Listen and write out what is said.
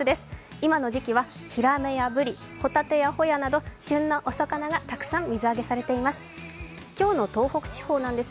今の時期はひらめやぶり、ほたてやほやなど旬なお魚がたくさん水揚げされています。